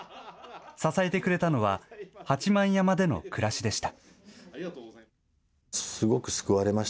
支えてくれたのは八幡山での暮らしでした。